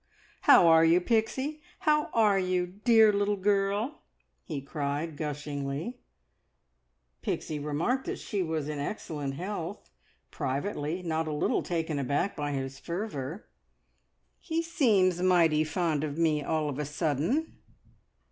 "How are you, Pixie? How are you, dear little girl?" he cried gushingly. Pixie remarked that she was in excellent health, privately not a little taken aback by his fervour. "He seems mighty fond of me, all of a sudden.